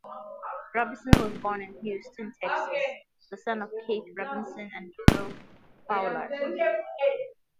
Robinson was born in Houston, Texas, the son of Keith Robinson and Dorothe Fowler.